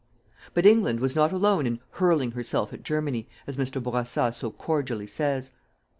But England was not alone in hurling herself at Germany, as Mr. Bourassa so cordially says.